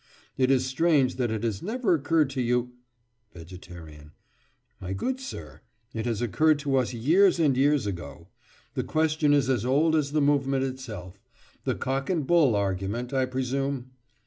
It is strange that it has never occurred to you—— VEGETARIAN: My good sir, it has occurred to us years and years ago. The question is as old as the movement itself. The cock and bull argument, I presume?